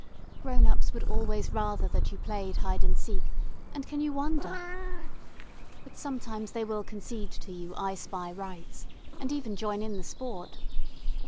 Grown ups would always rather that you played hide and seek and can you wonder? But sometimes they will concede to you "I spy" rights, and even join in the sport.